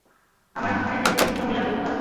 আমার অনুমানের চেয়ে একটু বেশি সময় লাগবে, খোকা।